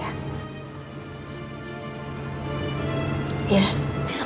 jadi ada masalah apapun cerita